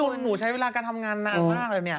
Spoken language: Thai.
หนูใช้เวลาการทำงานนานมากเลยเนี่ย